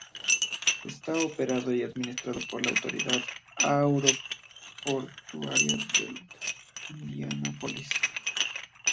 Está operado y administrado por la Autoridad Aeroportuaria de Indianápolis.